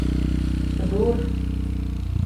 Ҙур